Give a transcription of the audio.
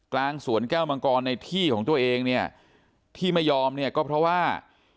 กลางสวนแก้วมังกรในที่ของตัวเองเนี่ยที่ไม่ยอมเนี่ยก็เพราะว่า